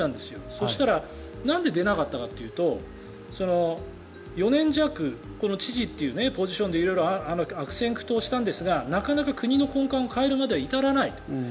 そしたらなんで出なかったかというと４年弱この知事というポジションで色々、悪戦苦闘したんですがなかなか国の根幹を変えるまでには至らないと。